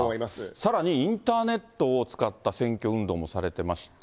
さらにインターネットを使った選挙運動もされてまして。